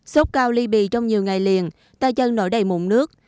sốt cao ly bì trong nhiều ngày liền tay chân nổi đầy mụn nước